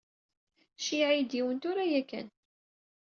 Ceyyeɛ-iyi-d yiwen tura yakan.